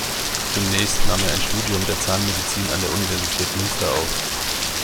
Zunächst nahm er ein Studium der Zahnmedizin an der Universität Münster auf.